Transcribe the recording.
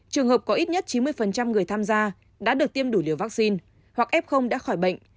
trường hợp có ít nhất chín mươi người tham gia đã được tiêm đủ liều vaccine hoặc f đã khỏi bệnh